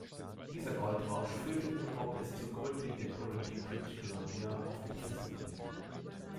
Dieser Goldrausch führte überhaupt erst zur Gründung der Kolonie British Columbia auf dem Festland.